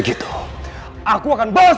jika akan graduasi